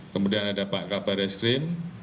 kemudian ada pak kabar eskrim